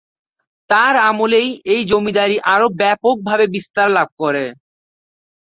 তার আমলেই এই জমিদারী আরো ব্যাপকভাবে বিস্তার লাভ করে।